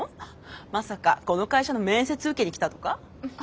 まさかこの会社の面接受けに来たとか？